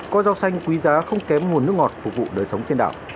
coi rau xanh quý giá không kém nguồn nước ngọt phục vụ đời sống trên đảo